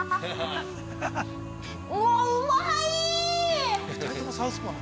◆うわっ、うまいー！